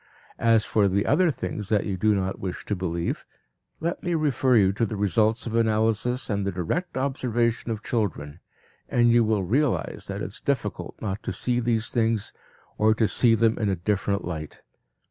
As for the other things that you do not wish to believe, let me refer you to the results of analysis and the direct observation of children, and you will realize that it is difficult not to see these things or to see them in a different light.